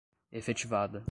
efetivada